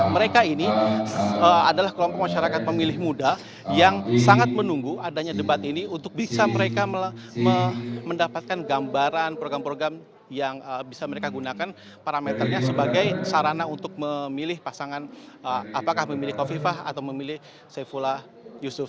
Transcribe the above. mereka ini adalah kelompok masyarakat pemilih muda yang sangat menunggu adanya debat ini untuk bisa mereka mendapatkan gambaran program program yang bisa mereka gunakan parameternya sebagai sarana untuk memilih pasangan apakah memilih kofifah atau memilih saifulah yusuf